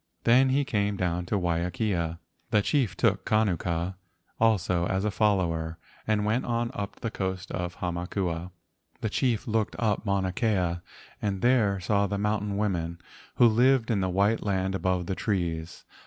Then he came down to Waiakea. The chief took Kanuku also as a follower and went on up the coast to Hamakua. The chief looked up Mauna Kea and there saw the mountain women, who lived in the white land above the trees.